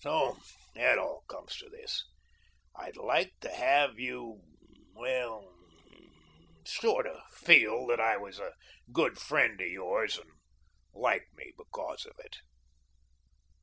So it all comes to this: I'd like to have you well, sort of feel that I was a good friend of yours and like me because of it."